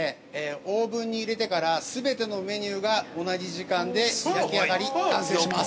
オーブンに入れてから全てのメニューが同じ時間で焼き上がり完成します。